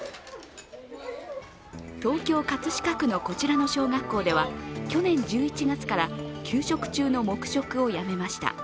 東京・葛飾区のこちらの小学校では、去年１１月から給食中の黙食をやめました。